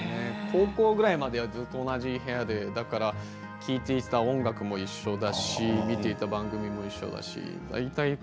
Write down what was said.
高校ぐらいまで同じ部屋で聴いていた音楽も１人だし見ていた番組も一緒だし